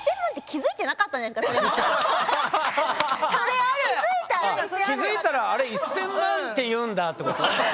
気づいたらあれ１，０００万って言うんだってこと？